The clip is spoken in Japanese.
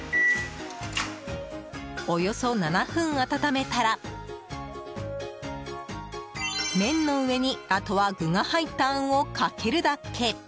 およそ７分温めたら麺の上に、あとは具が入ったあんをかけるだけ。